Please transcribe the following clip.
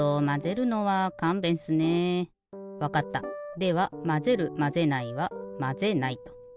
ではまぜるまぜないは「まぜない」と。